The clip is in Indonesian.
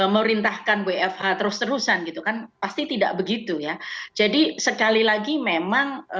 merintahkan wfh terus terusan gitu kan pasti tidak begitu ya jadi sekali lagi memang